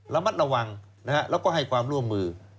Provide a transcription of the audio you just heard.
ระมัดระวังแล้วก็ให้ความร่วมมือ